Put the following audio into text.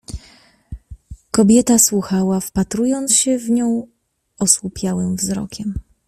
Kobieta słuchała, wpatrując się w nią osłupiałym wzrokiem.